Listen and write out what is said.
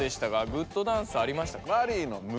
グッドダンスありましたか？